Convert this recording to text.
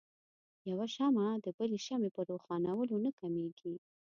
يوه شمعه د بلې شمعې په روښانؤلو نه کميږي.